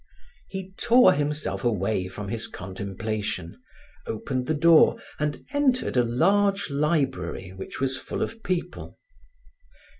He tore himself away from his contemplation, opened the door and entered a large library which was full of people.